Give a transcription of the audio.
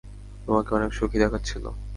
তোমাকে অনেক সুখী দেখাচ্ছিল।